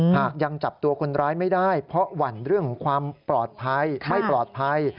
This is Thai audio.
หากยังจับตัวคนร้ายไม่ได้เพราะหวั่นเรื่องของความปลอดภัยไม่ปลอดภัย